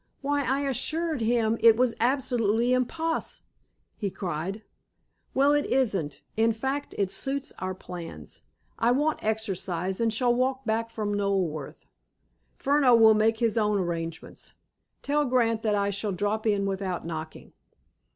"Why, I assured him it was absolutely imposs.," he cried. "Well, it isn't. In fact, it suits our plans. I want exercise, and shall walk back from Knoleworth. Furneaux will make his own arrangements. Tell Grant that I shall drop in without knocking."